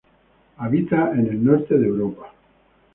Habita en el norte de Europa.